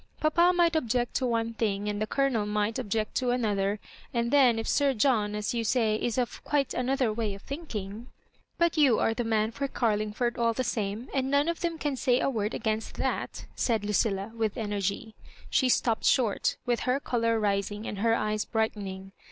Papa might object to one tiling and £e Colonel might object to another, and then if Sir John, as you say, is of quite another way of thmking But you are the man for Carlmgford all the same ; and none of them ean say a word against that," said Ludlla, with energy. She stopped shori;, with her colour rising and her eyes brightening.